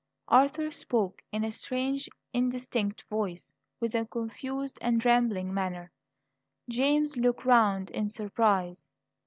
Arthur spoke in a strange, indistinct voice, with a confused and rambling manner. James looked round in surprise.